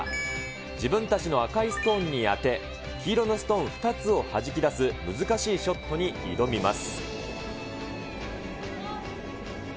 自分たちの赤いストーンに当て、黄色のストーン２つをはじき出す難しいショットに挑みます。